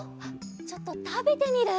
ちょっとたべてみる？